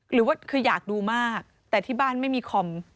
หรือว่าคืออยากดูมากแต่ที่บ้านไม่มีคอม